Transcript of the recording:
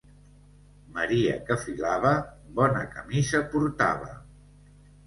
Maria que filava, bona camisa portava.